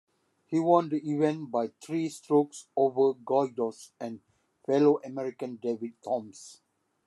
He won the event by three strokes over Goydos and fellow American David Toms.